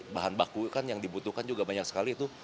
bahan baku kan yang dibutuhkan juga banyak sekali itu